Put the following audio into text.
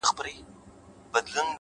صبر د نامعلومو لارو ملګری دی.!